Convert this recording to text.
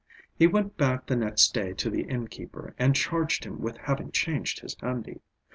He went back the next day to the innkeeper, and charged him with having changed his handi.